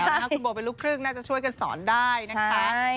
คุณโบเป็นลูกครึ่งน่าจะช่วยกันสอนได้นะคะ